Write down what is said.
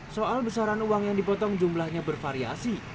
soal besaran uang yang dipotong jumlahnya bervariasi